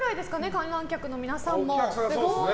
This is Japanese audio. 観覧客の皆さんも。